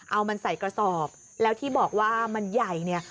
เอามันใส่กระสอบแล้วที่บอกว่ามันใหญ่เนี่ย